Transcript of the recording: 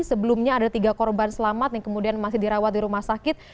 sebelumnya ada tiga korban selamat yang kemudian masih dirawat di rumah sakit